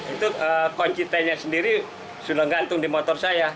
itu kuncinya sendiri sudah ngantung di motor saya